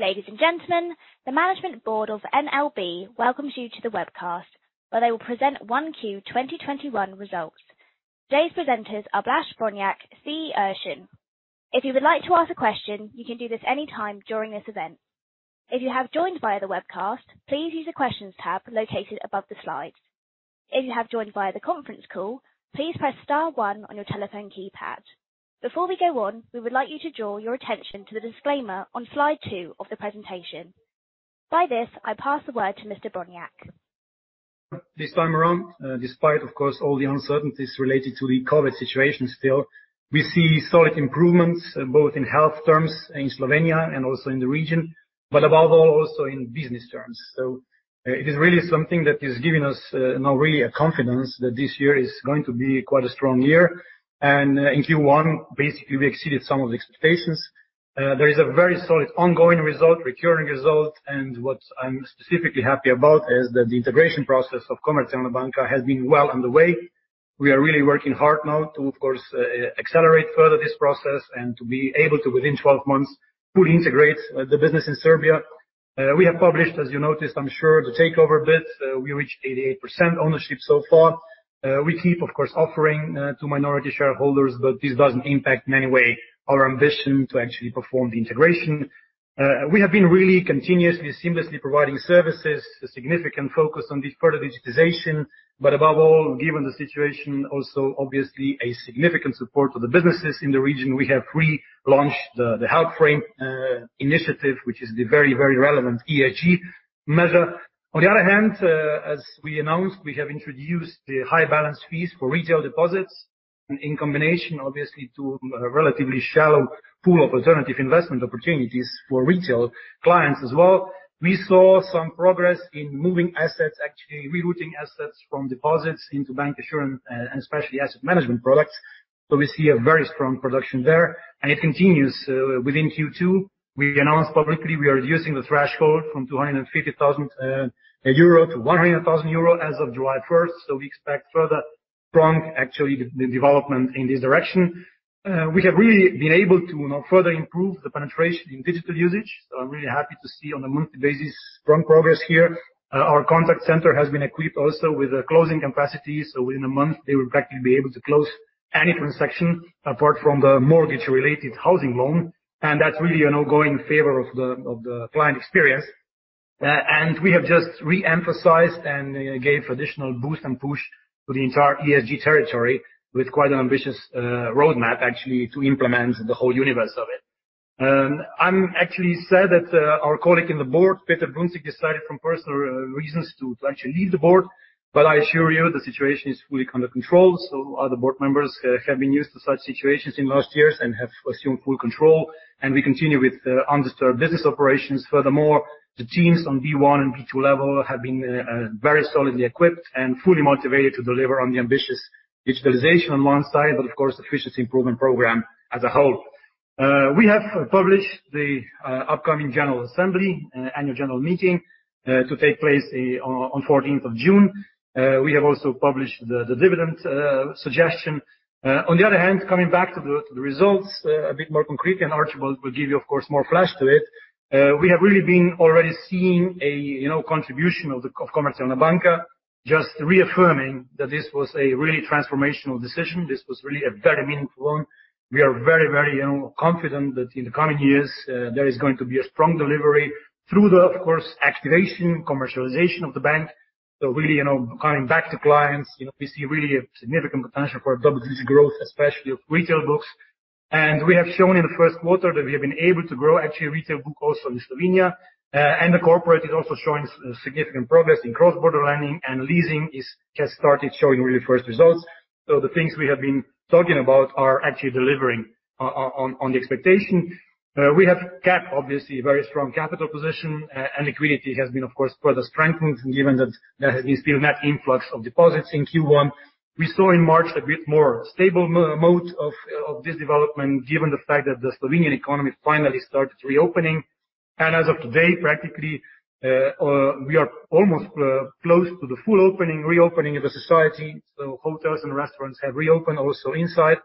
Ladies and gentlemen, the management board of NLB welcomes you to the webcast, where they will present 1Q 2021 results. Today's presenters are Blaž Brodnjak, CEO. If you would like to ask a question, you can do this anytime during this event. If you have joined via the webcast, please use the Questions tab located above the slides. If you have joined via the conference call, please press star one on your telephone keypad. Before we go on, we would like you to draw your attention to the disclaimer on slide two of the presentation. By this, I pass the word to Mr. Brodnjak. This time around, despite of course, all the uncertainties related to the COVID situation still, we see solid improvements both in health terms in Slovenia and also in the region, but above all, also in business terms. It is really something that is giving us really a confidence that this year is going to be quite a strong year. In Q1, basically, we exceeded some of the expectations. There is a very solid ongoing result, recurring result, and what I'm specifically happy about is that the integration process of Komercijalna Banka has been well underway. We are really working hard now to, of course, accelerate further this process and to be able to, within 12 months, fully integrate the business in Serbia. We have published, as you noticed, I'm sure, the takeover bid. We reached 88% ownership so far. We keep, of course, offering to minority shareholders, this doesn't impact in any way our ambition to actually perform the integration. We have been really continuously, seamlessly providing services, a significant focus on this further digitization, but above all, given the situation also, obviously a significant support to the businesses in the region. We have relaunched the Help Frame initiative, which is the very, very relevant ESG measure. On the other hand, as we announced, we have introduced the high balance fees for retail deposits. In combination, obviously, to a relatively shallow pool of alternative investment opportunities for retail clients as well. We saw some progress in moving assets, actually rerouting assets from deposits into bancassurance, and especially asset management products. We see a very strong production there, and it continues, within Q2. We announced publicly, we are reducing the threshold from 250,000 euro to 100,000 euro as of July 1st. We expect further strong, actually, the development in this direction. We have really been able to now further improve the penetration in digital usage. I'm really happy to see on a monthly basis, strong progress here. Our contact center has been equipped also with the closing capacity. Within a month, they will practically be able to close any transaction apart from the mortgage-related housing loan. That's really an ongoing favor of the client experience. We have just re-emphasized and gave additional boost and push to the entire ESG territory with quite an ambitious roadmap, actually, to implement the whole universe of it. I'm actually sad that our colleague in the board, Petr Brunclík, decided from personal reasons to actually leave the board. I assure you, the situation is fully under control. Other board members have been used to such situations in last years and have assumed full control, and we continue with undisturbed business operations. Furthermore, the teams on B1 and B2 level have been very solidly equipped and fully motivated to deliver on the ambitious digitalization on one side, but of course, efficiency improvement program as a whole. We have published the upcoming general assembly, annual general meeting, to take place on 14th of June. We have also published the dividend suggestion. On the other hand, coming back to the results, a bit more concrete, Archibald will give you, of course, more flash to it. We have really been already seeing a contribution of Komercijalna Banka, just reaffirming that this was a really transformational decision. This was really a very meaningful one. We are very confident that in the coming years, there is going to be a strong delivery through the, of course, activation, commercialization of the bank. Really, coming back to clients, we see really a significant potential for double-digit growth, especially of retail books. We have shown in the first quarter that we have been able to grow actually retail book also in Slovenia. The corporate is also showing significant progress in cross-border lending and leasing just started showing really first results. The things we have been talking about are actually delivering on the expectation. We have kept, obviously, a very strong capital position and liquidity has been, of course, further strengthened given that there has been net influx of deposits in Q1. We saw in March a bit more stable mode of this development, given the fact that the Slovenian economy finally started reopening. As of today, practically, we are almost close to the full opening, reopening of the society. Hotels and restaurants have reopened also inside.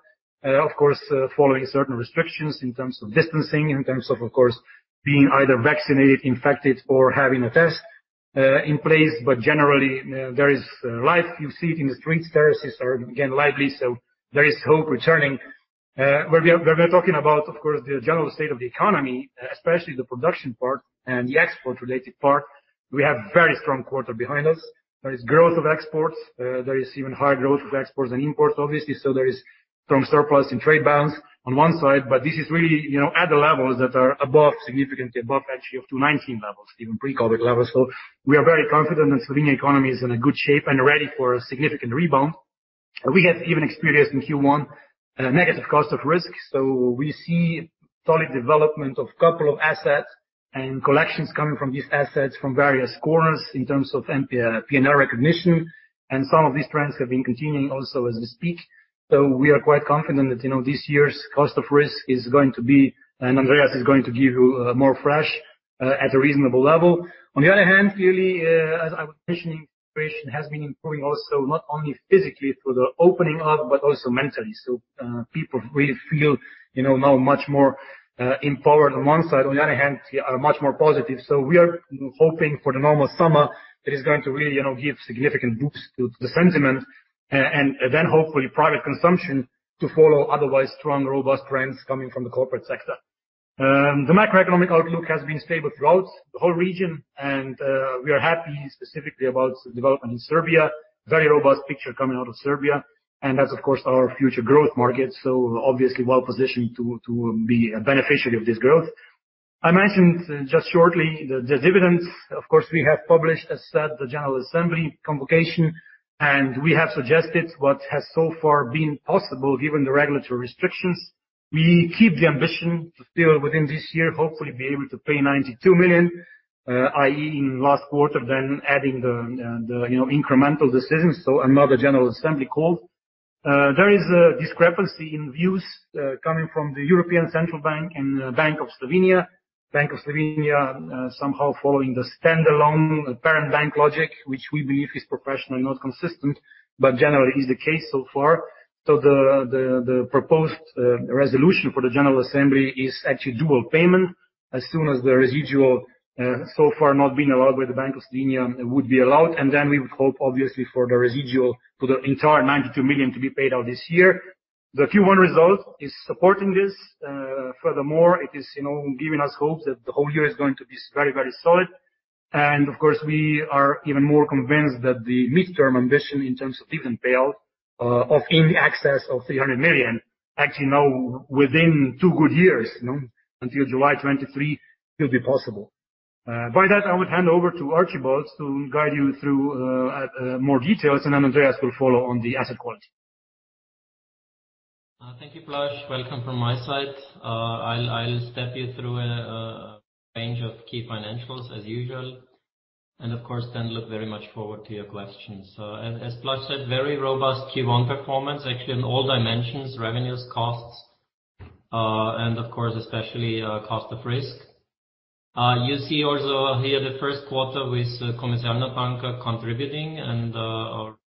Of course, following certain restrictions in terms of distancing, in terms of course, being either vaccinated, infected, or having a test in place. Generally, there is life. You see it in the streets. Terraces are again lively. There is hope returning. When we are talking about, of course, the general state of the economy, especially the production part and the export related part, we have very strong quarter behind us. There is growth of exports. There is even higher growth of exports than imports, obviously. There is strong surplus in trade balance on one side, but this is really at the levels that are significantly above actually of 2019 levels, even pre-COVID levels. We are very confident that Slovenian economy is in a good shape and ready for a significant rebound. We have even experienced in Q1 a negative cost of risk. We see solid development of couple of assets and collections coming from these assets from various corners in terms of P&L recognition. Some of these trends have been continuing also as we speak. We are quite confident that this year's cost of risk is going to be at a reasonable level. Andreas is going to give you more fresh data. On the other hand, clearly, as I was mentioning, situation has been improving also, not only physically through the opening up, but also mentally. People really feel now much more empowered on one side. On the other hand, they are much more positive. We are hoping for the normal summer that is going to really give significant boosts to the sentiment, and then hopefully private consumption to follow otherwise strong, robust trends coming from the corporate sector. The macroeconomic outlook has been stable throughout the whole region, and we are happy specifically about the development in Serbia. Very robust picture coming out of Serbia, and that's of course our future growth market, so obviously well-positioned to be a beneficiary of this growth. I mentioned just shortly the dividends. Of course, we have published, as said, the general assembly convocation, and we have suggested what has so far been possible given the regulatory restrictions. We keep the ambition to still within this year, hopefully be able to pay 92 million, i.e., in last quarter, then adding the incremental decisions, so another general assembly call. There is a discrepancy in views coming from the European Central Bank and Bank of Slovenia. Bank of Slovenia, somehow following the standalone parent bank logic, which we believe is professionally not consistent, but generally is the case so far. The proposed resolution for the general assembly is actually dual payment as soon as the residual, so far not been allowed by the Bank of Slovenia, would be allowed. We would hope obviously for the residual to the entire 92 million to be paid out this year. The Q1 result is supporting this. Furthermore, it is giving us hope that the whole year is going to be very solid. We are even more convinced that the midterm ambition in terms of dividend payout of in the excess of 300 million, actually now within two good years, until July 2023, will be possible. By that, I would hand over to Archibald to guide you through more details, and then Andreas will follow on the asset quality. Thank you, Blaž. Welcome from my side. I'll step you through a range of key financials as usual, and of course then look very much forward to your questions. As Blaž said, very robust Q1 performance, actually on all dimensions, revenues, costs, and of course especially cost of risk. You see also here the first quarter with Komercijalna Banka contributing and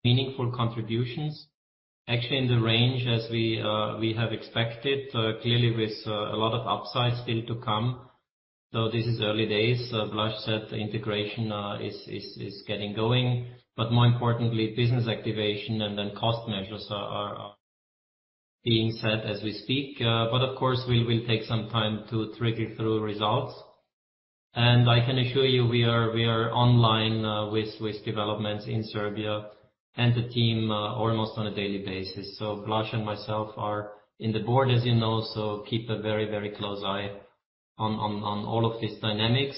meaningful contributions, actually in the range as we have expected, clearly with a lot of upside still to come. This is early days. Blaž said integration is getting going. More importantly, business activation and then cost measures are being set as we speak. Of course, we will take some time to trickle through results. I can assure you we are online with developments in Serbia and the team almost on a daily basis. Blaž and myself are in the board, as you know, so keep a very close eye on all of these dynamics.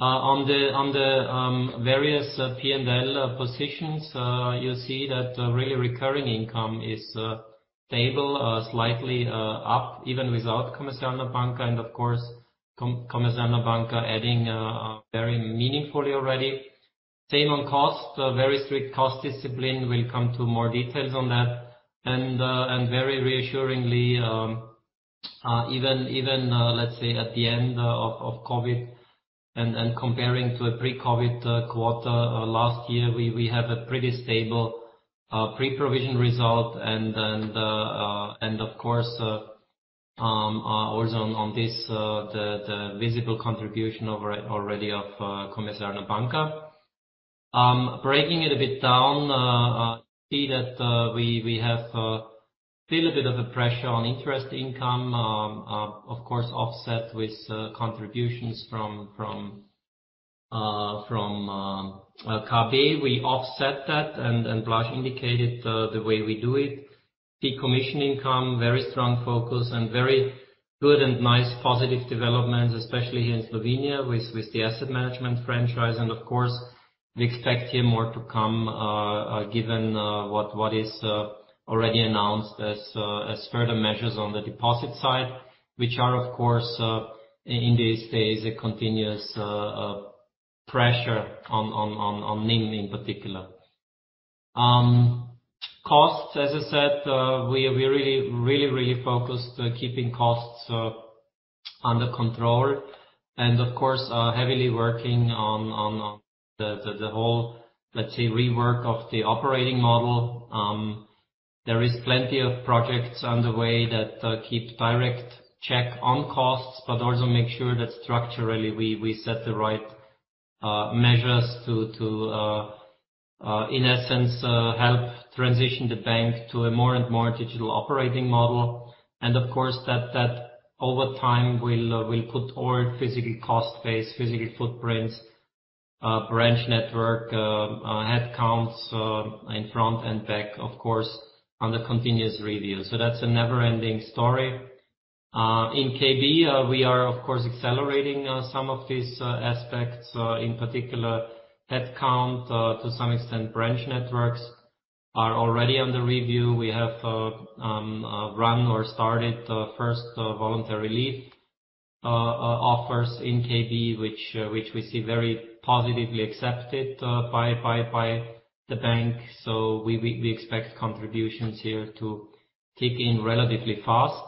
On the various P&L positions, you see that really recurring income is stable, slightly up even without Komercijalna Banka, and of course, Komercijalna Banka adding very meaningfully already. Same on cost. Very strict cost discipline. We'll come to more details on that. Very reassuringly, even let's say at the end of COVID and comparing to a pre-COVID quarter last year, we have a pretty stable pre-provision result, and of course, also on this, the visible contribution already of Komercijalna Banka. Breaking it a bit down, see that we feel a bit of a pressure on interest income, of course, offset with contributions from KB. We offset that, and Blaž indicated the way we do it. Fee commission income, very strong focus, and very good and nice positive developments, especially here in Slovenia with the asset management franchise. Of course, we expect here more to come given what is already announced as further measures on the deposit side, which are, of course, in this phase, a continuous pressure on NIM in particular. Costs, as I said, we are really focused keeping costs under control and of course, heavily working on the whole let's say rework of the operating model. There is plenty of projects underway that keep direct check on costs, but also make sure that structurally we set the right measures to, in essence, help transition the bank to a more and more digital operating model. Of course that over time will cut all physical cost base, physical footprints, branch network, headcounts in front and back, of course, under continuous review. That's a never-ending story. In KB, we are of course accelerating some of these aspects. In particular, headcount, to some extent, branch networks are already under review. We have run or started first voluntary leave offers in KB, which we see very positively accepted by the bank. We expect contributions here to kick in relatively fast.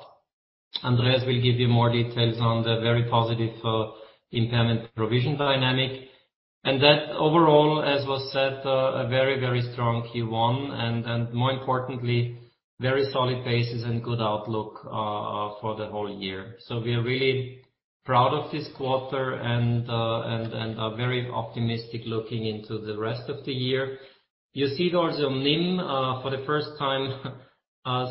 Andreas will give you more details on the very positive impairment provision dynamic, and that overall, as was said, a very strong Q1, and more importantly, very solid basis and good outlook for the whole year. We are really proud of this quarter and are very optimistic looking into the rest of the year. You see also NIM for the first time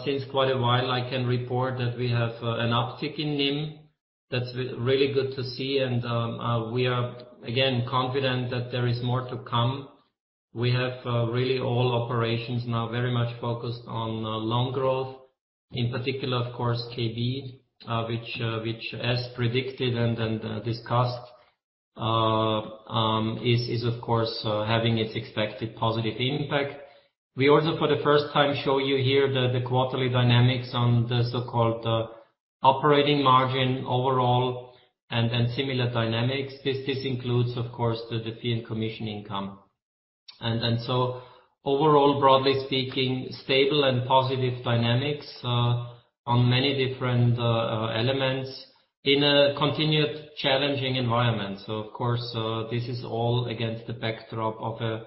since quite a while, I can report that we have an uptick in NIM. That's really good to see, and we are, again, confident that there is more to come. We have really all operations now very much focused on loan growth, in particular of course KB, which as predicted and discussed, is of course having its expected positive impact. We also, for the first time, show you here the quarterly dynamics on the so-called operating margin overall and then similar dynamics. This includes, of course, the fee and commission income. Overall, broadly speaking, stable and positive dynamics on many different elements in a continued challenging environment. Of course, this is all against the backdrop of a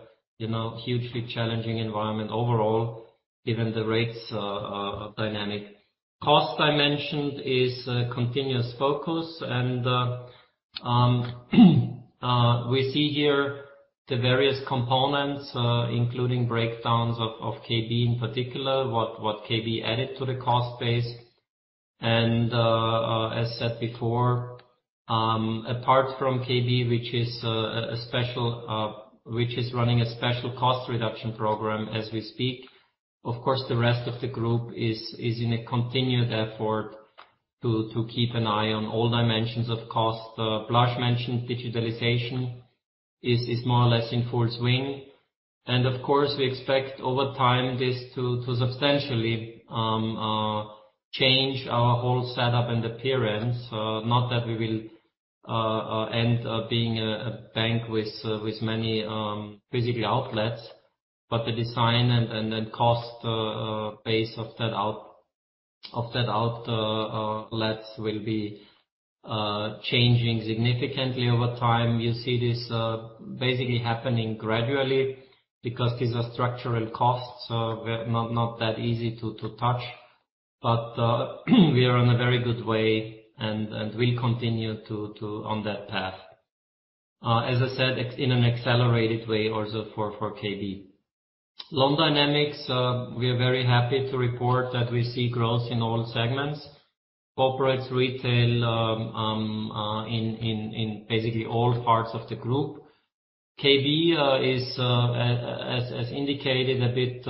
hugely challenging environment overall, given the rates dynamic. Cost I mentioned is a continuous focus, and we see here the various components, including breakdowns of KB in particular, what KB added to the cost base. As said before, apart from KB, which is running a special cost reduction program as we speak, of course, the rest of the group is in a continued effort to keep an eye on all dimensions of cost. Blaž mentioned digitalization is more or less in full swing. Of course, we expect over time this to substantially change our whole setup and appearance. Not that we will end up being a bank with many physical outlets, but the design and then cost base of that outlets will be changing significantly over time. You see this basically happening gradually because these are structural costs, so not that easy to touch. We are on a very good way, and will continue on that path. As I said, in an accelerated way also for KB. Loan dynamics, we are very happy to report that we see growth in all segments, corporates, retail, in basically all parts of the group. KB is, as indicated, a bit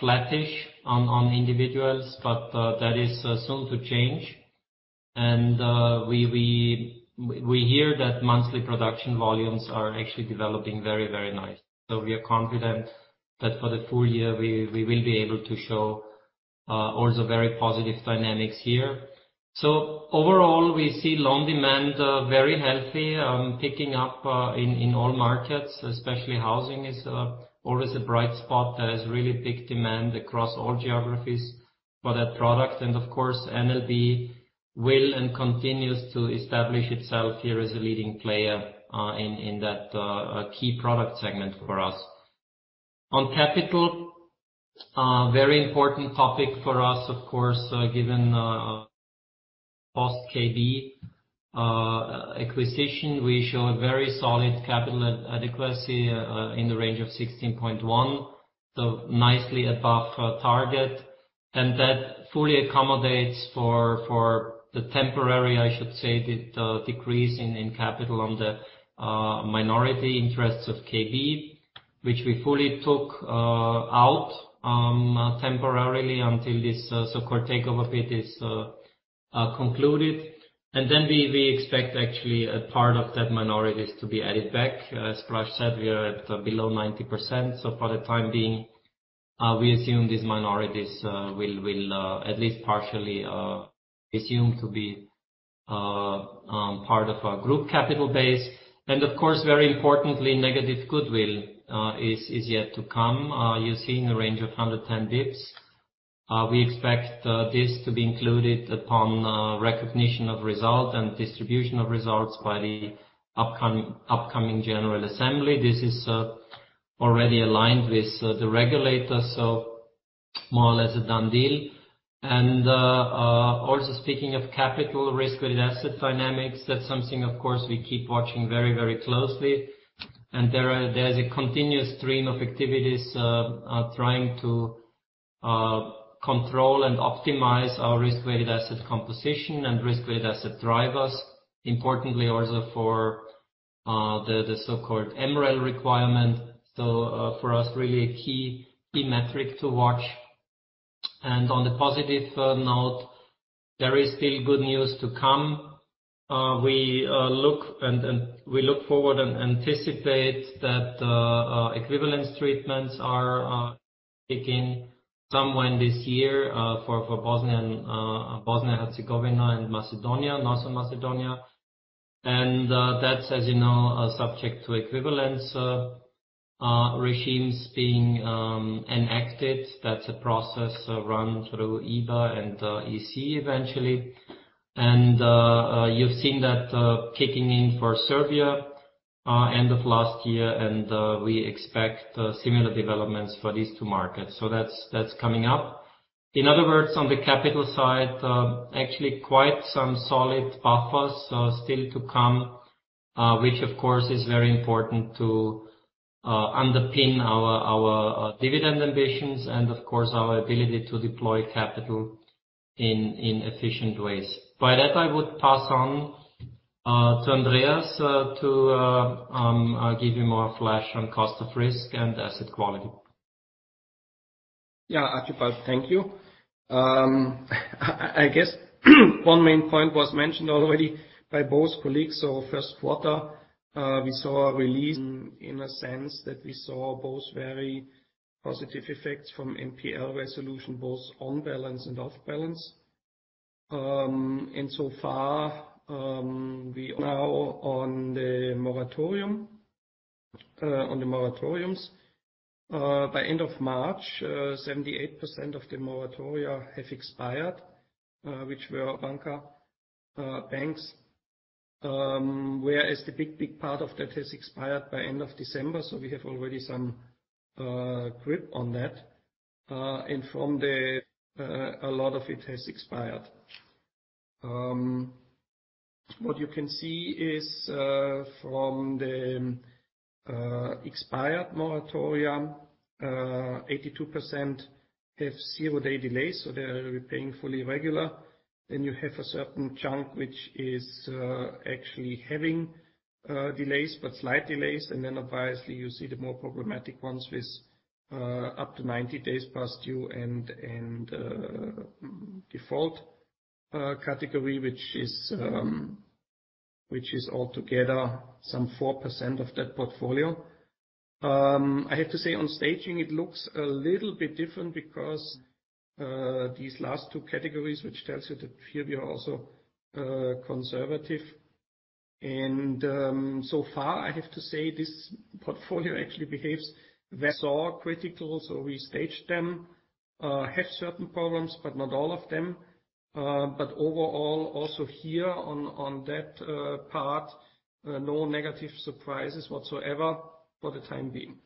flattish on individuals. That is soon to change. We hear that monthly production volumes are actually developing very nice. We are confident that for the full year we will be able to show also very positive dynamics here. Overall, we see loan demand very healthy, picking up in all markets, especially housing is always a bright spot. There is really big demand across all geographies for that product. Of course, NLB will and continues to establish itself here as a leading player in that key product segment for us. On capital, very important topic for us, of course, given post-KB acquisition. We show a very solid capital adequacy in the range of 16.1, nicely above target. That fully accommodates for the temporary, I should say, the decrease in capital on the minority interests of KB, which we fully took out temporarily until this so-called takeover bid is concluded. We expect actually a part of that minorities to be added back. As Blaž said, we are at below 90%. For the time being, we assume these minorities will at least partially assume to be part of our group capital base. Of course, very importantly, negative goodwill is yet to come. You see in the range of 110 basis points. We expect this to be included upon recognition of result and distribution of results by the upcoming general assembly. This is already aligned with the regulator, more or less a done deal. Also speaking of capital risk-weighted asset dynamics, that's something of course we keep watching very closely. There is a continuous stream of activities trying to control and optimize our risk-weighted asset composition and risk-weighted asset drivers. Importantly also for the so-called MREL requirement. For us, really a key metric to watch. On the positive note, there is still good news to come. We look forward and anticipate that equivalence treatments are kicking somewhere this year for Bosnia and Herzegovina and Macedonia, North Macedonia. That's, as you know, subject to equivalence regimes being enacted. That's a process run through EBA and EC eventually. You've seen that kicking in for Serbia end of last year, and we expect similar developments for these two markets. That's coming up. In other words, on the capital side, actually quite some solid buffers still to come, which of course is very important to underpin our dividend ambitions and of course, our ability to deploy capital in efficient ways. By that, I would pass on to Andreas to give you more flash on cost of risk and asset quality. Archibald, thank you. I guess one main point was mentioned already by both colleagues. First quarter, we saw a release in a sense that we saw both very positive effects from NPL resolution, both on balance and off balance. So far, we are now on the moratoriums. By end of March, 78% of the moratoria have expired, which were banks, whereas the big part of that has expired by end of December, so we have already some grip on that. From there, a lot of it has expired. What you can see is from the expired moratoria, 82% have zero-day delays, so they're repaying fully regular. You have a certain chunk which is actually having delays, but slight delays. Obviously you see the more problematic ones with up to 90 days past due and default category, which is altogether some 4% of that portfolio. I have to say on staging, it looks a little bit different because these last two categories, which tells you that here we are also conservative. So far, I have to say this portfolio actually behaves. We saw critical, so we staged them, have certain problems, but not all of them. Overall, also here on that part, no negative surprises whatsoever for the time being.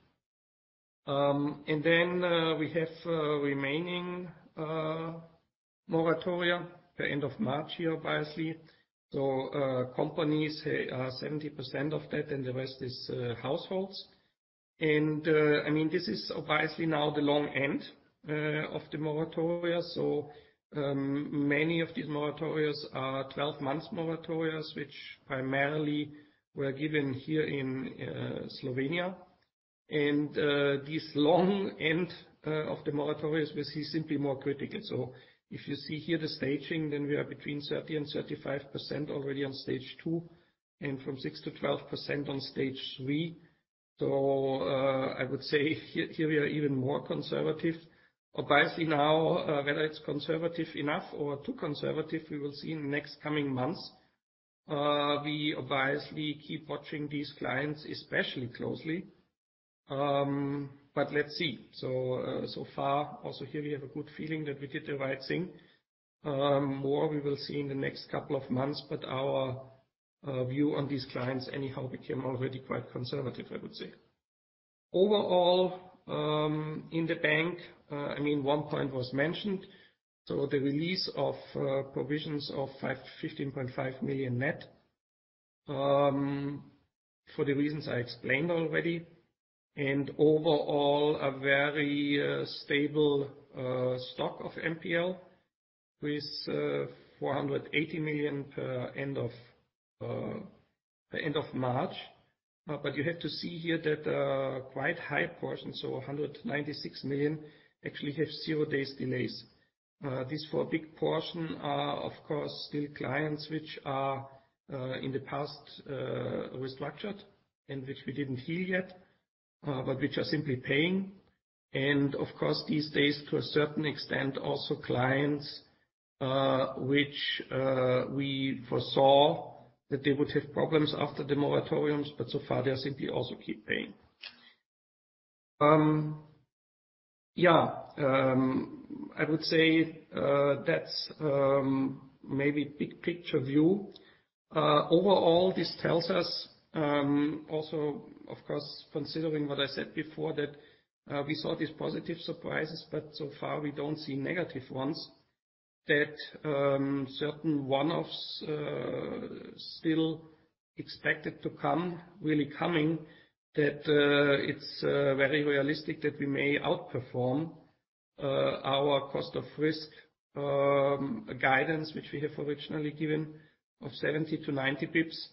Then we have remaining moratoria at the end of March here, obviously. Companies, 70% of that, and the rest is households. This is obviously now the long end of the moratoria. Many of these moratorias are 12 months moratorias, which primarily were given here in Slovenia. This long end of the moratoria we see simply more critical. If you see here the staging, then we are between 30%-35% already on stage two, and from 6%-12% on stage three. I would say here we are even more conservative. Obviously now, whether it's conservative enough or too conservative, we will see in the next coming months. We obviously keep watching these clients especially closely, but let's see. So far, also here we have a good feeling that we did the right thing. More we will see in the next couple of months, but our view on these clients anyhow became already quite conservative, I would say. Overall, in the bank, one point was mentioned, the release of provisions of 15.5 million net, for the reasons I explained already. Overall, a very stable stock of NPL with 480 million end of March. You have to see here that quite high portion, so 196 million, actually have zero days delays. These four big portion are, of course, still clients which are in the past restructured and which we didn't heal yet, but which are simply paying. Of course, these days, to a certain extent, also clients which we foresaw that they would have problems after the moratoriums, but so far they simply also keep paying. I would say that's maybe big picture view. Overall, this tells us also, of course, considering what I said before, that we saw these positive surprises, but so far we don't see negative ones, that certain one-offs still expected to come, really coming, that it's very realistic that we may outperform our cost of risk guidance, which we have originally given of 70-90 basis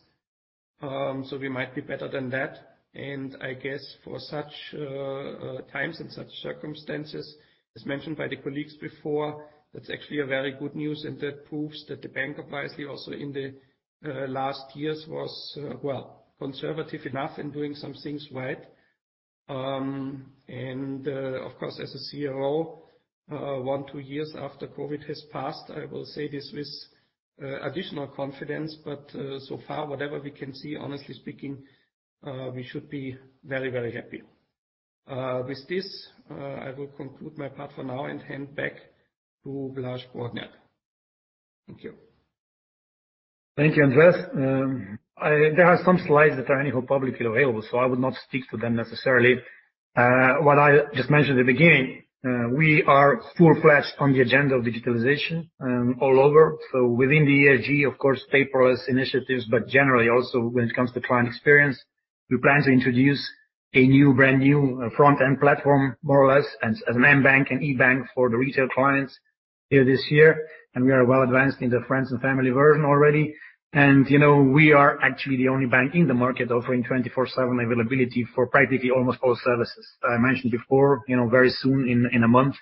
points. We might be better than that. I guess for such times and such circumstances, as mentioned by the colleagues before, that's actually a very good news, and that proves that the bank, obviously, also in the last years was conservative enough in doing some things right. Of course, as a CRO, one, two years after COVID has passed, I will say this with additional confidence, but so far, whatever we can see, honestly speaking, we should be very happy. With this, I will conclude my part for now and hand back to Blaž Brodnjak. Thank you. Thank you, Andreas. There are some slides that are anyhow publicly available, I would not stick to them necessarily. What I just mentioned at the beginning, we are full-fledged on the agenda of digitalization all over. Within the ESG, of course, paperless initiatives, but generally also when it comes to client experience, we plan to introduce a brand-new front end platform, more or less, as a main bank and e-bank for the retail clients here this year. We are well advanced in the friends and family version already. We are actually the only bank in the market offering twenty-four seven availability for practically almost all services. I mentioned before, very soon in a month,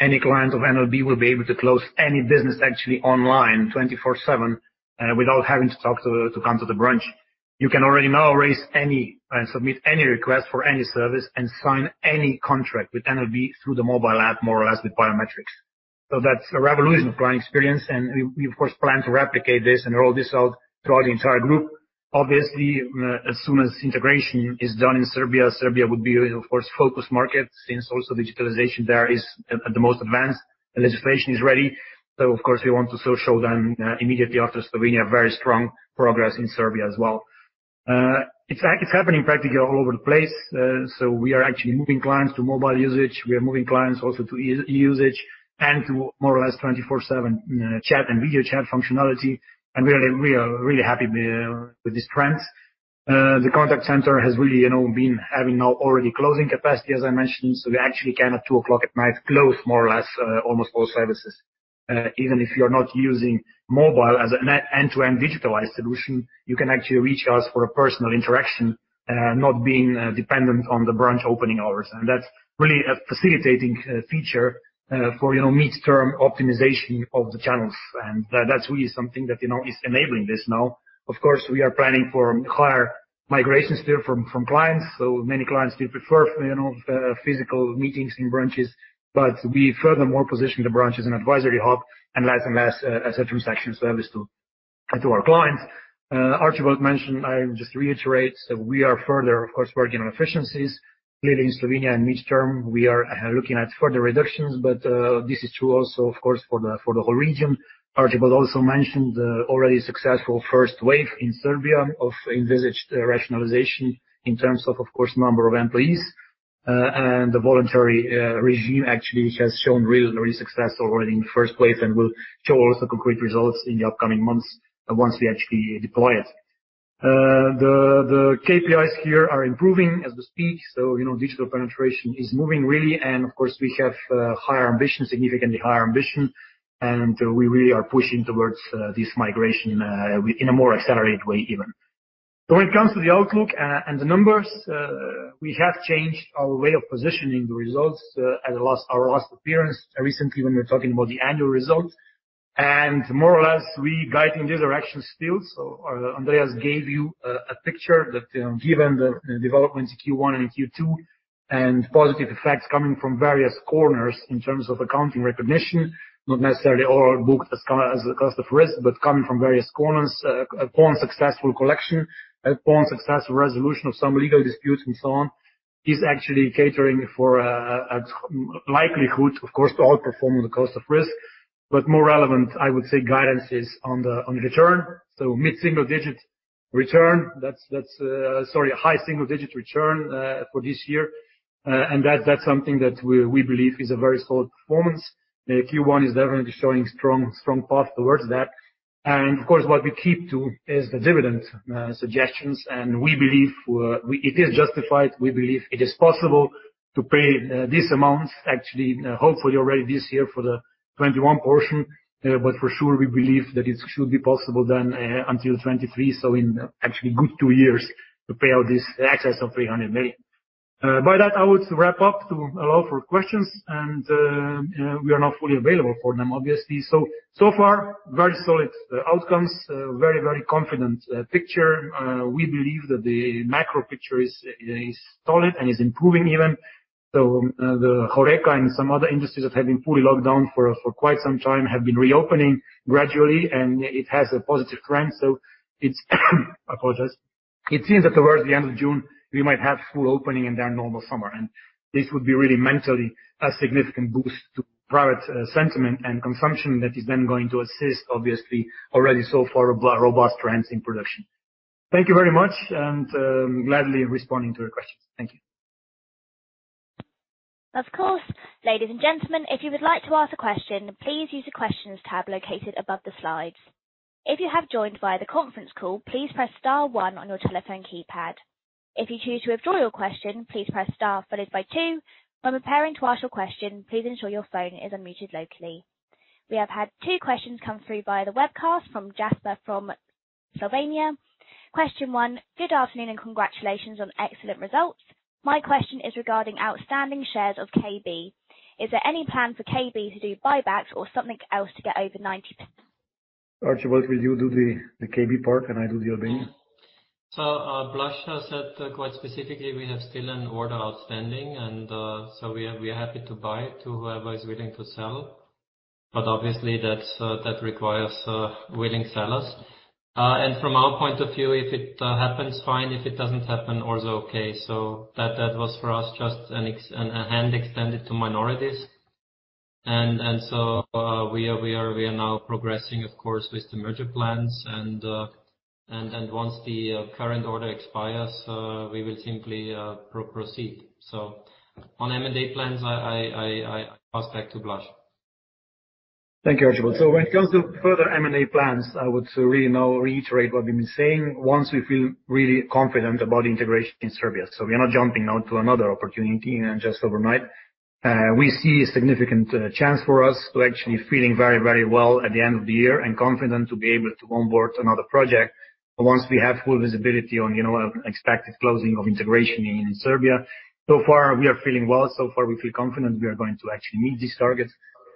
any client of NLB will be able to close any business actually online, 24/7, without having to come to the branch. You can already now raise any and submit any request for any service and sign any contract with NLB through the mobile app, more or less, with biometrics. That's a revolution of client experience, and we, of course, plan to replicate this and roll this out throughout the entire group. As soon as integration is done in Serbia would be, of course, focus market since also digitalization there is at the most advanced. The legislation is ready. Of course, we want to show them immediately after Slovenia, very strong progress in Serbia as well. It's happening practically all over the place. We are actually moving clients to mobile usage. We are moving clients also to e-usage and to more or less 24/7 chat and video chat functionality. We are really happy with this trend. The contact center has really been having now already closing capacity, as I mentioned. We actually can, at two o'clock at night, close more or less, almost all services. Even if you're not using mobile as an end-to-end digitalized solution, you can actually reach us for a personal interaction, not being dependent on the branch opening hours. That's really a facilitating feature for midterm optimization of the channels. That's really something that is enabling this now. Of course, we are planning for higher migrations there from clients. Many clients do prefer physical meetings in branches, but we furthermore position the branch as an advisory hub and less and less a transaction service to our clients. Archibald mentioned, I'll just reiterate, we are further, of course, working on efficiencies, clearly in Slovenia and midterm, we are looking at further reductions. This is true also, of course, for the whole region. Archibald also mentioned the already successful first wave in Serbia of envisaged rationalization in terms of course, number of employees. The voluntary regime actually has shown really success already in the first place and will show also concrete results in the upcoming months once we actually deploy it. The KPIs here are improving as we speak. Digital penetration is moving really, and of course, we have higher ambition, significantly higher ambition, and we really are pushing towards this migration in a more accelerated way even. When it comes to the outlook and the numbers, we have changed our way of positioning the results at our last appearance recently when we were talking about the annual results. More or less, we guide in this direction still. Andreas gave you a picture that given the developments in Q1 and Q2 and positive effects coming from various corners in terms of accounting recognition, not necessarily all booked as cost of risk, but coming from various corners, upon successful collection, upon successful resolution of some legal disputes and so on, is actually catering for a likelihood, of course, to outperform on the cost of risk. More relevant, I would say, guidance is on the return. Mid-single digit return, that's Sorry, a high single digit return for this year. That's something that we believe is a very solid performance. Q1 is definitely showing strong path towards that. Of course, what we keep to is the dividend suggestions, and we believe it is justified. We believe it is possible to pay these amounts actually, hopefully already this year for the 2021 portion. For sure, we believe that it should be possible then until 2023. In actually good two years to pay out this excess of 300 million. By that, I would wrap up to allow for questions, and we are now fully available for them, obviously. So far, very solid outcomes, very confident picture. We believe that the macro picture is solid and is improving even. The HoReCa and some other industries that have been fully locked down for quite some time have been reopening gradually, and it has a positive trend. It's apologies. It seems that towards the end of June, we might have full opening and then normal summer. This would be really mentally a significant boost to private sentiment and consumption that is then going to assist, obviously, already so far robust trends in production. Thank you very much, gladly responding to your questions. Thank you. Of course. Ladies and gentlemen, if you would like to ask a question, please use the Questions tab located above the slides. If you have joined via the conference call, please press star one on your telephone keypad. If you choose to withdraw your question, please press star followed by two. When preparing to ask your question, please ensure your phone is unmuted locally. We have had two questions come through via the webcast from Jasper from Slovenia. Question one. Good afternoon. Congratulations on excellent results. My question is regarding outstanding shares of KB. Is there any plan for KB to do buybacks or something else to get over 90%? Archibald, will you do the KB part and I do the Albania? Blaž has said quite specifically we have still an order outstanding and so we are happy to buy to whoever is willing to sell, but obviously that requires willing sellers. From our point of view, if it happens, fine, if it doesn't happen, also okay. That was for us just a hand extended to minorities. We are now progressing, of course, with the merger plans and once the current order expires, we will simply proceed. On M&A plans, I pass back to Blaž. Thank you, Archibald. When it comes to further M&A plans, I would really now reiterate what we've been saying. Once we feel really confident about integration in Serbia, so we are not jumping now to another opportunity just overnight. We see a significant chance for us to actually feeling very well at the end of the year and confident to be able to onboard another project once we have full visibility on expected closing of integration in Serbia. So far, we are feeling well. So far, we feel confident we are going to actually meet this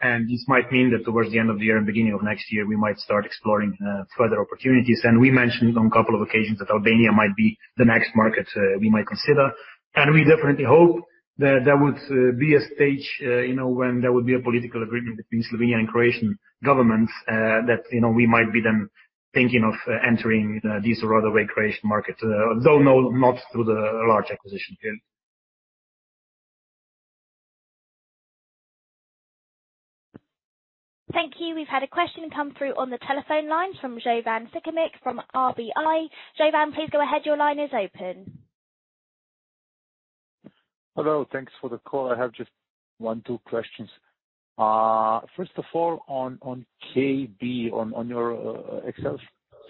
target. This might mean that towards the end of the year and beginning of next year, we might start exploring further opportunities. We mentioned on a couple of occasions that Albania might be the next market we might consider. We definitely hope that there would be a stage when there would be a political agreement between Slovenian and Croatian governments that we might be then thinking of entering this other way, Croatian market, though not through the large acquisition. Thank you. We've had a question come through on the telephone line from Jovan Sikimić from RBI. Jovan, please go ahead. Your line is open. Hello. Thanks for the call. I have just one, two questions. First of all, on KB, on your Excel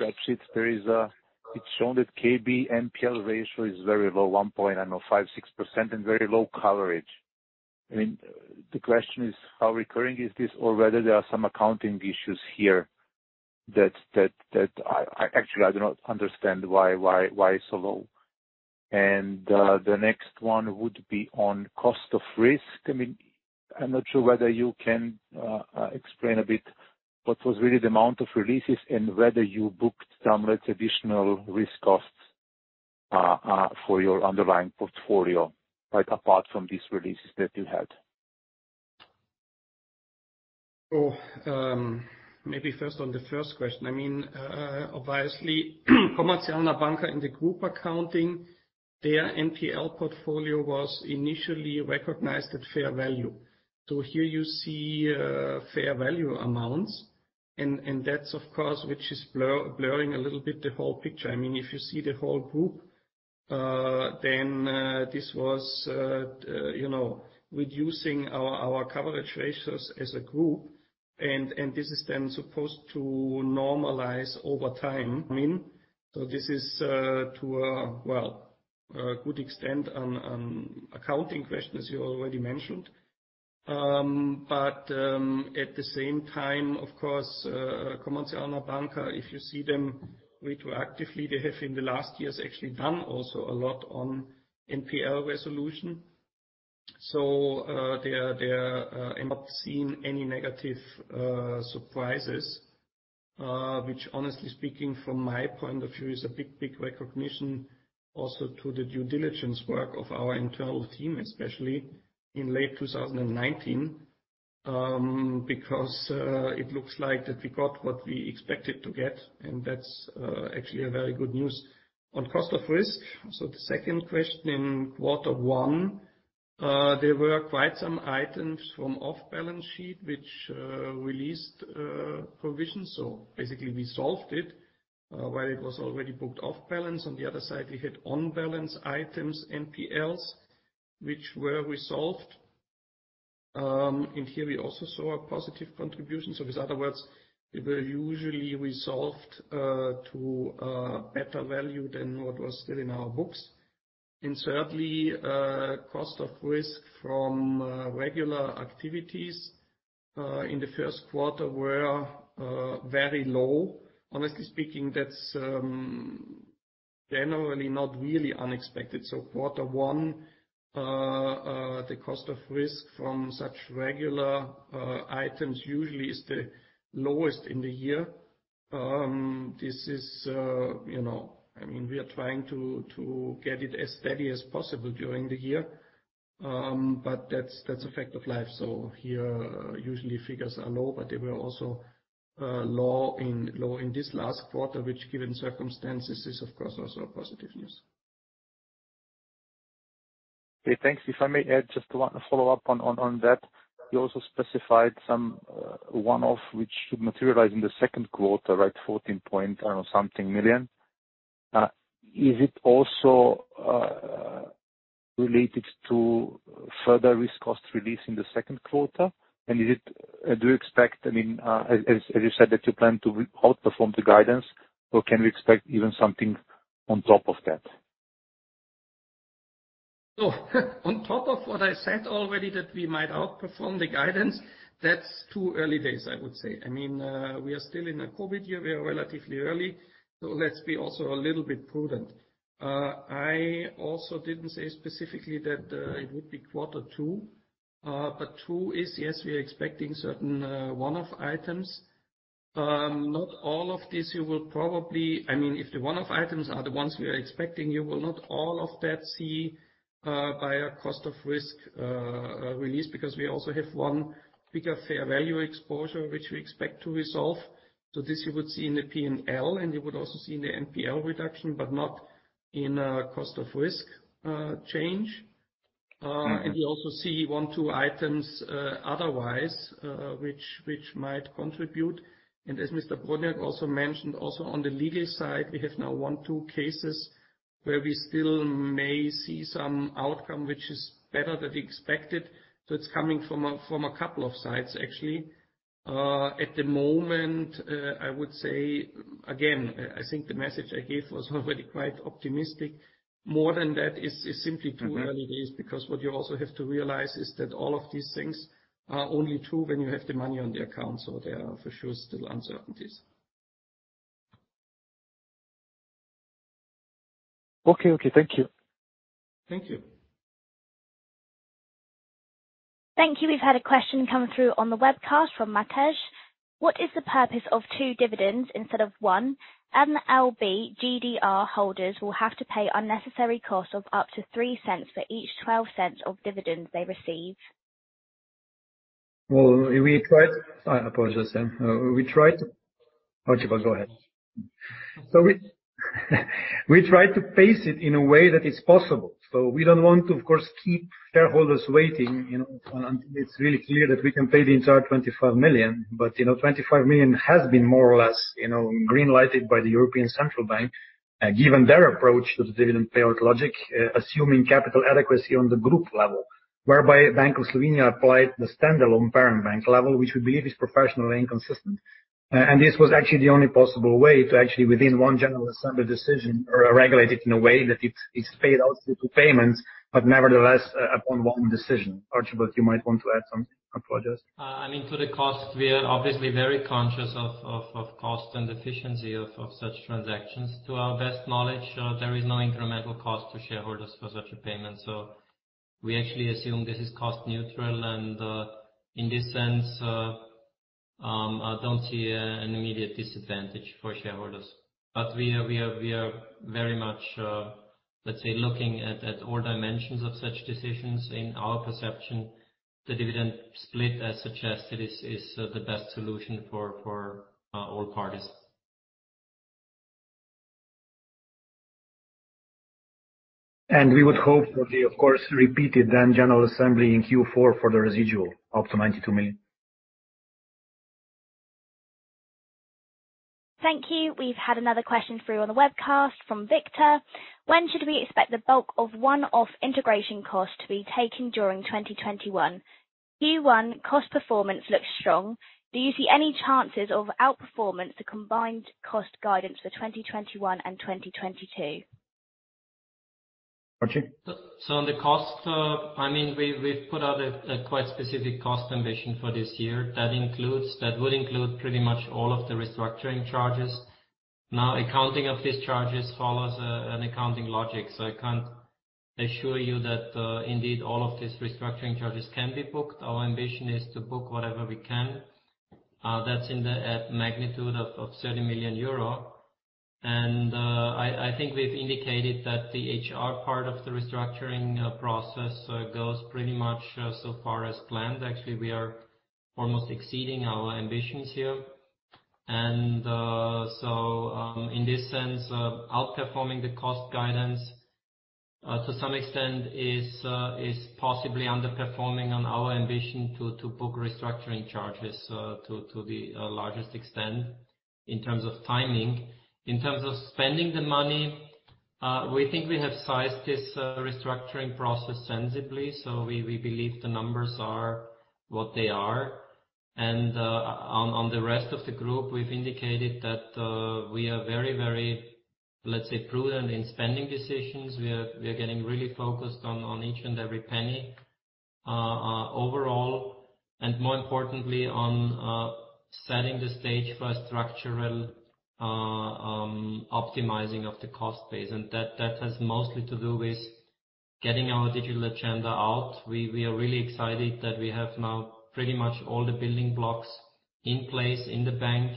spreadsheets, it's shown that KB NPL ratio is very low, one point, I don't know, 5%, 6% and very low coverage. The question is, how recurring is this? Whether there are some accounting issues here that actually I do not understand why it's so low. The next one would be on cost of risk. I'm not sure whether you can explain a bit what was really the amount of releases and whether you booked some additional risk costs for your underlying portfolio, apart from these releases that you had. Maybe first on the first question. Obviously, Komercijalna Banka in the group accounting, their NPL portfolio was initially recognized at fair value. Here you see fair value amounts, and that's, of course, which is blurring a little bit, the whole picture. If you see the whole group, then this was reducing our coverage ratios as a group, this is then supposed to normalize over time. This is to a good extent an accounting question, as you already mentioned. At the same time, of course, Komercijalna Banka, if you see them retroactively, they have in the last years actually done also a lot on NPL resolution. They are not seeing any negative surprises, which honestly speaking, from my point of view, is a big recognition also to the due diligence work of our internal team, especially in late 2019, because it looks like that we got what we expected to get, and that's actually a very good news. On cost of risk, so the second question, in quarter one, there were quite some items from off-balance sheet which released provisions. Basically, we solved it while it was already booked off-balance. On the other side, we had on-balance items, NPLs, which were resolved. Here we also saw a positive contribution. In other words, they were usually resolved to a better value than what was still in our books. Certainly, cost of risk from regular activities in the first quarter were very low. Honestly speaking, that's generally not really unexpected. Quarter one, the cost of risk from such regular items usually is the lowest in the year. We are trying to get it as steady as possible during the year, but that's a fact of life. Here, usually figures are low, but they were also low in this last quarter, which given circumstances, is of course also a positive news. Okay, thanks. If I may add just one follow-up on that. You also specified some one-off which should materialize in the second quarter, 14 point I don't know, something million. Is it also related to further risk cost release in the second quarter? Do you expect, as you said, that you plan to outperform the guidance, or can we expect even something on top of that? On top of what I said already that we might outperform the guidance, that's too early days, I would say. We are still in a COVID year. We are relatively early, so let's be also a little bit prudent. I also didn't say specifically that it would be quarter two. Two is yes, we are expecting certain one-off items. If the one-off items are the ones we are expecting, you will not all of that see by a cost of risk release, because we also have one bigger fair value exposure, which we expect to resolve. This you would see in the P&L, and you would also see in the NPL reduction, not in a cost of risk change. You also see one, two items, otherwise, which might contribute. As Mr. Brodnjak also mentioned, also on the legal side, we have now one, two cases where we still may see some outcome which is better than we expected. It's coming from a couple of sides, actually. At the moment, I would say, again, I think the message I gave was already quite optimistic. More than that is simply too early days, because what you also have to realize is that all of these things are only true when you have the money on the account. There are for sure still uncertainties. Okay. Thank you. Thank you. Thank you. We've had a question come through on the webcast from Matej. What is the purpose of two dividends instead of one? The NLB GDR holders will have to pay unnecessary cost of up to 0.03 for each 0.12 of dividends they receive. We tried. I apologize. We tried to. Archibald, go ahead. We tried to pace it in a way that it's possible. We don't want to, of course, keep shareholders waiting, and it's really clear that we can pay the entire 25 million. 25 million has been more or less green-lighted by the European Central Bank, given their approach to the dividend payout logic, assuming capital adequacy on the group level, whereby Bank of Slovenia applied the standalone parent bank level, which we believe is professionally inconsistent. This was actually the only possible way to actually, within one general assembly decision, regulate it in a way that it is paid out through two payments, but nevertheless, upon one decision. Archibald, you might want to add some. Apologize. For the cost, we are obviously very conscious of cost and efficiency of such transactions. To our best knowledge, there is no incremental cost to shareholders for such a payment. We actually assume this is cost neutral, and in this sense, I don't see an immediate disadvantage for shareholders. We are very much, let's say, looking at all dimensions of such decisions. In our perception, the dividend split, as suggested, is the best solution for all parties. We would hope for the, of course, repeated then general assembly in Q4 for the residual up to 92 million. Thank you. We've had another question through on the webcast from Victor. When should we expect the bulk of one-off integration cost to be taken during 2021? Q1 cost performance looks strong. Do you see any chances of outperformance to combined cost guidance for 2021 and 2022? Archie? On the cost, we've put out a quite specific cost ambition for this year. That would include pretty much all of the restructuring charges. Accounting of these charges follows an accounting logic, so I can't assure you that indeed all of these restructuring charges can be booked. Our ambition is to book whatever we can. That's in the magnitude of 30 million euro. I think we've indicated that the HR part of the restructuring process goes pretty much so far as planned. Actually, we are almost exceeding our ambitions here. In this sense, outperforming the cost guidance to some extent is possibly underperforming on our ambition to book restructuring charges to the largest extent in terms of timing. In terms of spending the money, we think we have sized this restructuring process sensibly. We believe the numbers are what they are. On the rest of the group, we've indicated that we are very, very, let's say, prudent in spending decisions. We are getting really focused on each and every penny overall, and more importantly, on setting the stage for a structural optimizing of the cost base. That has mostly to do with getting our digital agenda out. We are really excited that we have now pretty much all the building blocks in place in the bank.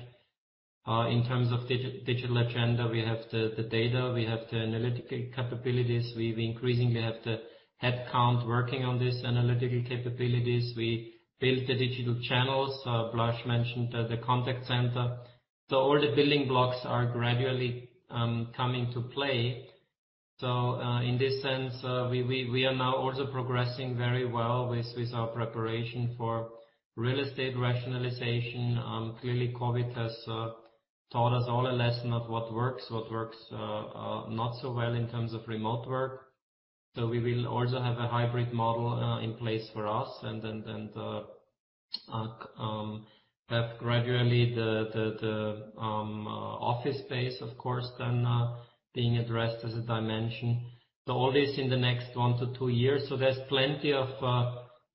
In terms of digital agenda, we have the data, we have the analytical capabilities. We increasingly have the headcount working on these analytical capabilities. We built the digital channels. Blaž mentioned the contact center. All the building blocks are gradually coming to play. In this sense, we are now also progressing very well with our preparation for real estate rationalization. Clearly, COVID has taught us all a lesson of what works, what works not so well in terms of remote work. We will also have a hybrid model in place for us and have gradually the office space, of course, then being addressed as a dimension. All this in the next one to two years. There's plenty of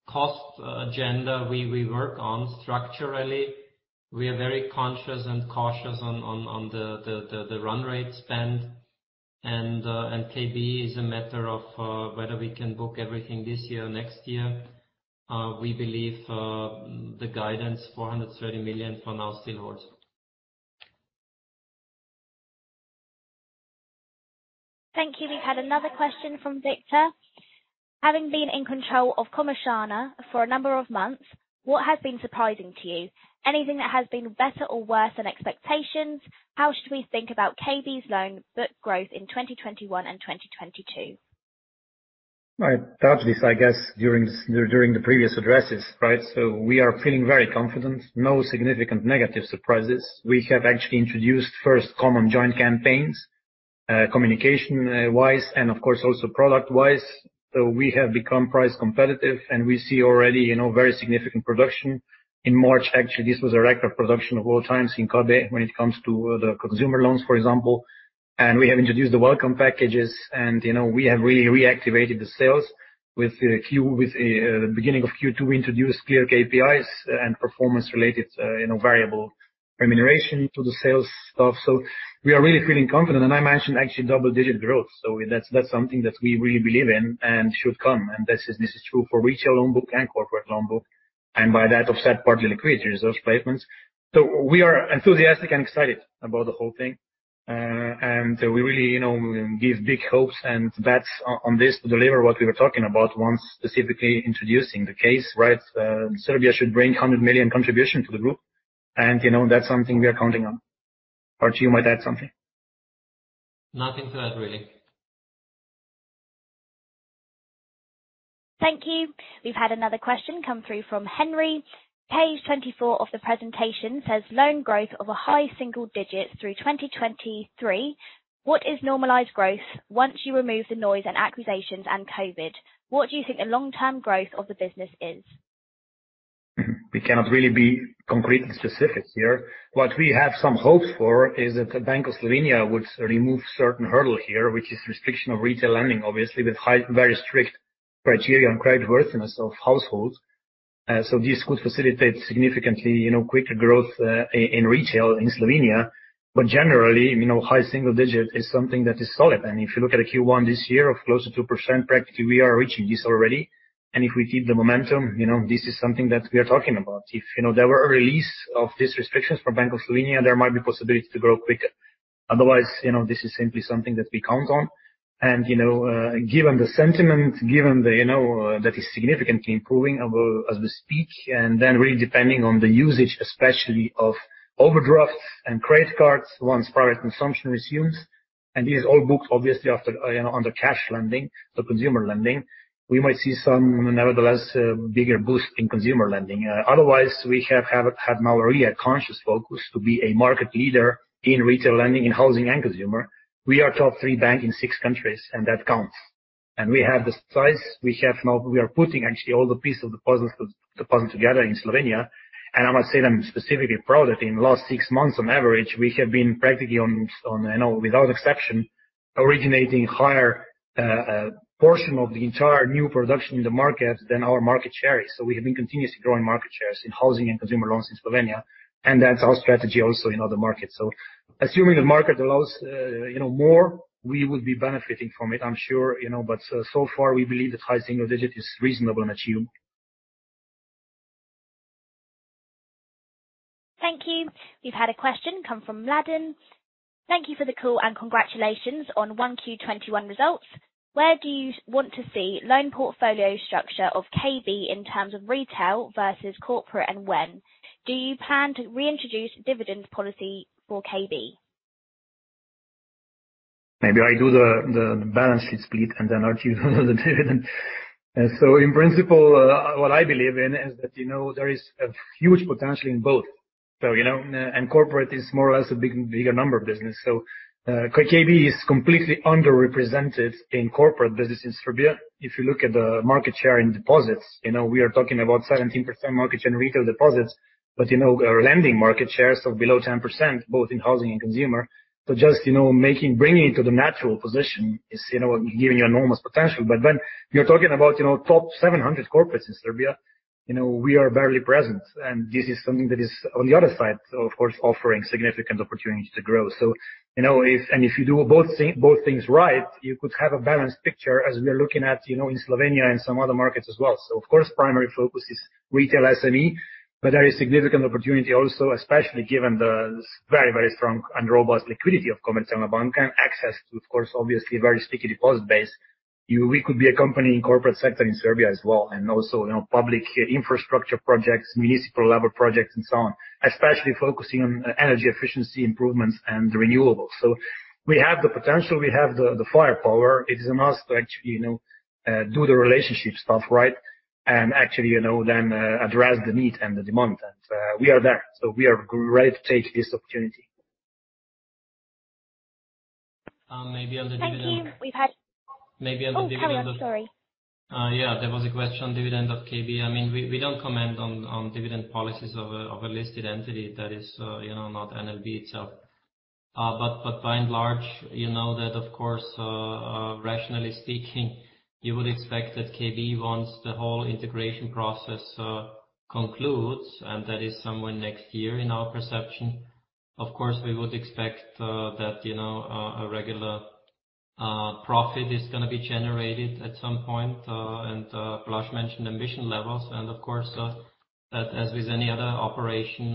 cost agenda we work on structurally. We are very conscious and cautious on the run rate spend. KB is a matter of whether we can book everything this year or next year. We believe the guidance 430 million for now still holds. Thank you. We've had another question from Victor. Having been in control of Komercijalna for a number of months, what has been surprising to you? Anything that has been better or worse than expectations? How should we think about KB's loan book growth in 2021 and 2022? I touched this, I guess, during the previous addresses, right? We are feeling very confident. No significant negative surprises. We have actually introduced first common joint campaigns, communication-wise and of course, also product-wise. We have become price competitive, and we see already very significant production. In March, actually, this was a record production of all times in KB when it comes to the consumer loans, for example. We have introduced the welcome packages, and we have really reactivated the sales. With the beginning of Q2, we introduced clear KPIs and performance related variable remuneration to the sales staff. We are really feeling confident, and I mentioned actually double-digit growth. That's something that we really believe in and should come, and this is true for retail loan book and corporate loan book, and by that offset partly liquidity reserve placements. We are enthusiastic and excited about the whole thing. We really give big hopes and bets on this to deliver what we were talking about once specifically introducing the case, right? Serbia should bring 100 million contribution to the group, and that's something we are counting on. Archie, you might add something. Nothing to add, really. Thank you. We've had another question come through from Henry. Page 24 of the presentation says loan growth of a high single digit through 2023. What is normalized growth once you remove the noise and acquisitions and COVID? What do you think the long-term growth of the business is? We cannot really be concrete and specific here. What we have some hopes for is that the Bank of Slovenia would remove certain hurdle here, which is restriction of retail lending, obviously, with very strict criteria on creditworthiness of households. This could facilitate significantly quicker growth in retail in Slovenia, but generally, high single digit is something that is solid. If you look at a Q1 this year of close to 2%, practically, we are reaching this already. If we keep the momentum, this is something that we are talking about. If there were a release of these restrictions from Bank of Slovenia, there might be possibility to grow quicker. Otherwise, this is simply something that we count on. Given the sentiment, given that is significantly improving as we speak, then really depending on the usage, especially of overdrafts and credit cards once private consumption resumes. These are all booked obviously under cash lending, so consumer lending. We might see some, nevertheless, bigger boost in consumer lending. Otherwise, we have had now a really conscious focus to be a market leader in retail lending in housing and consumer. We are top three bank in six countries, and that counts. We have the size. We are putting actually all the piece of the puzzle together in Slovenia. I must say that I'm specifically proud that in the last six months, on average, we have been practically, without exception, originating higher portion of the entire new production in the market than our market share is. We have been continuously growing market shares in housing and consumer loans in Slovenia, and that's our strategy also in other markets. Assuming the market allows more, we would be benefiting from it, I'm sure. So far, we believe that high single digit is reasonable and achievable. Thank you. We've had a question come from Mladen. Thank you for the call and congratulations on 1Q 2021 results. Where do you want to see loan portfolio structure of KB in terms of retail versus corporate, and when? Do you plan to reintroduce dividend policy for KB? Maybe I do the balance sheet split and then Archie will do the dividend. In principle, what I believe in is that there is a huge potential in both. Corporate is more or less a bigger number business. KB is completely underrepresented in corporate business in Serbia. If you look at the market share in deposits, we are talking about 17% market share in retail deposits. Our lending market share is below 10%, both in housing and consumer. Just bringing it to the natural position is giving you enormous potential. When you're talking about top 700 corporates in Serbia, we are barely present. This is something that is on the other side, of course, offering significant opportunity to grow. If you do both things right, you could have a balanced picture as we are looking at in Slovenia and some other markets as well. Of course, primary focus is retail SME, but there is significant opportunity also, especially given the very, very strong and robust liquidity of Komercijalna Banka and access to, of course, obviously, a very sticky deposit base. We could be a company in corporate sector in Serbia as well, and also public infrastructure projects, municipal-level projects, and so on, especially focusing on energy efficiency improvements and renewables. We have the potential. We have the firepower. It is on us to actually do the relationship stuff right, and actually then address the need and the demand. We are there. We are great to take this opportunity. Maybe on the dividend- Thank you. Maybe on the dividend of- Oh, sorry. Yeah, there was a question, dividend of KB. We don't comment on dividend policies of a listed entity that is not NLB itself. By and large, you know that, of course, rationally speaking, you would expect that KB, once the whole integration process concludes, and that is somewhere next year in our perception, of course, we would expect that a regular profit is going to be generated at some point, and Blaž mentioned ambition levels, and of course, as with any other operation,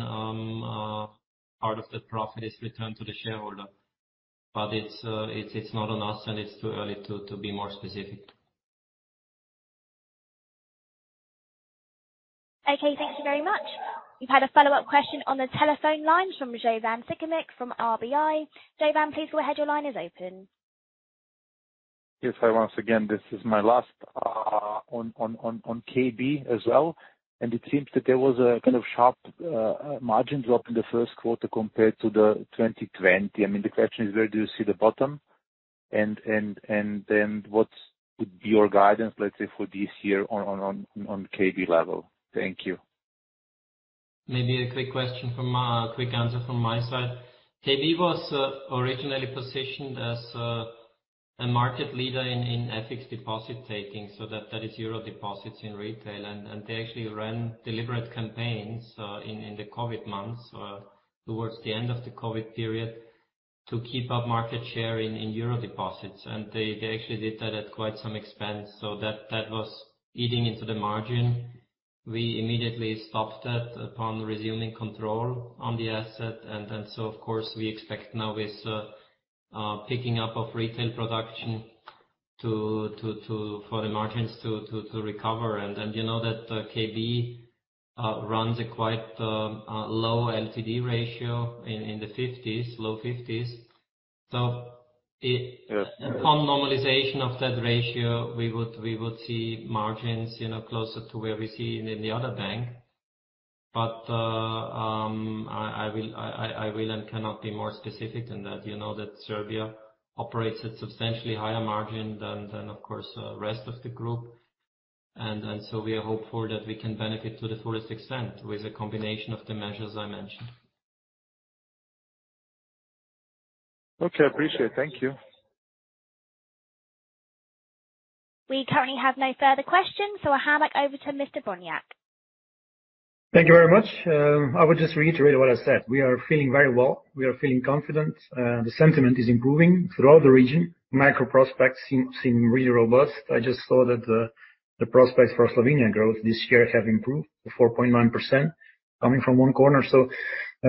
part of that profit is returned to the shareholder. It's not on us, and it's too early to be more specific. Okay, thank you very much. You've had a follow-up question on the telephone line from Jovan Sikimić from RBI. Jovan, please go ahead. Your line is open. Yes. Hi once again. This is my last on KB as well. It seems that there was a kind of sharp margin drop in the first quarter compared to the 2020. The question is, where do you see the bottom? What would be your guidance, let's say, for this year on KB level? Thank you. Maybe a quick answer from my side. KB was originally positioned as a market leader in FX deposit-taking, so that is EUR deposits in retail. They actually ran deliberate campaigns in the COVID months, towards the end of the COVID period, to keep up market share in EUR deposits. They actually did that at quite some expense. That was eating into the margin. We immediately stopped that upon resuming control on the asset. Of course, we expect now with picking up of retail production for the margins to recover. You know that KB runs a quite low LTD ratio, in the 50s, low 50s. Yes. Upon normalization of that ratio, we would see margins closer to where we see in the other bank. I will and cannot be more specific than that. You know that Serbia operates at substantially higher margin than, of course, rest of the group. We are hopeful that we can benefit to the fullest extent with a combination of the measures I mentioned. Okay, appreciate it. Thank you. We currently have no further questions, so I'll hand back over to Mr. Brodnjak. Thank you very much. I would just reiterate what I said. We are feeling very well. We are feeling confident. The sentiment is improving throughout the region. Macro prospects seem really robust. I just saw that the prospects for Slovenian growth this year have improved to 4.9%, coming from one corner.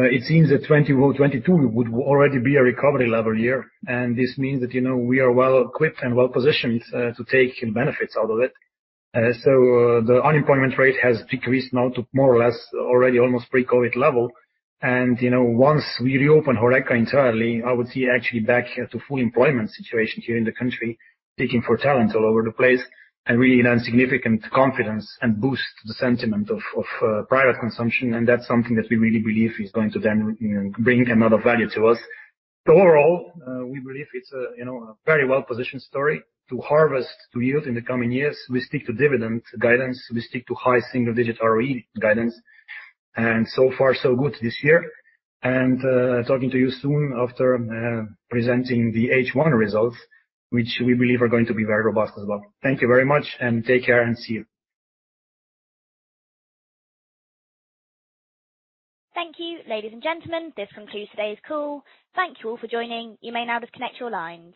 It seems that 2022 would already be a recovery level year, and this means that we are well equipped and well-positioned to take benefits out of it. The unemployment rate has decreased now to more or less already almost pre-COVID level. Once we reopen HoReCa entirely, I would see actually back to full employment situation here in the country, digging for talent all over the place, and really then significant confidence and boost the sentiment of private consumption. That's something that we really believe is going to then bring another value to us. Overall, we believe it's a very well-positioned story to harvest, to yield in the coming years. We stick to dividend guidance. We stick to high single-digit ROE guidance. So far so good this year. Talking to you soon after presenting the H1 results, which we believe are going to be very robust as well. Thank you very much, and take care, and see you. Thank you, ladies and gentlemen, this concludes today's call. Thank you all for joining. You may now disconnect your lines.